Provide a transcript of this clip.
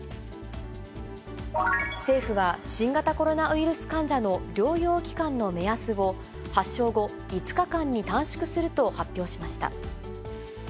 政府は新型コロナウイルス患者の療養期間の目安を発症後５日間に短縮すると発表しました。